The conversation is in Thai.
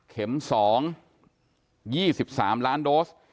เข็มสอง๒๓ล้านโดส